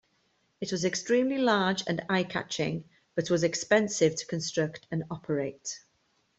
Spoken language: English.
It was extremely large and eye-catching, but was expensive to construct and operate.